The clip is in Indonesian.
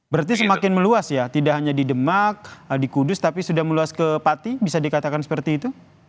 berarti semakin meluas ya tidak hanya di demak di kudus tapi sudah meluas ke pati bisa dikatakan seperti itu